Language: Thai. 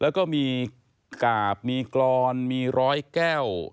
แล้วก็มีกาบมีกรอนมีร้อยแก้ว